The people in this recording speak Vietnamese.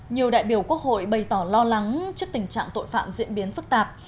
nhiều đại biểu quốc hội bày tỏ lo lắng trước tình trạng tội phạm diễn biến phức tạp